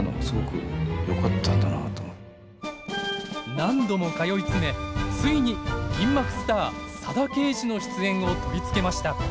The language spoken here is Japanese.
何度も通い詰めついに銀幕スター佐田啓二の出演を取り付けました。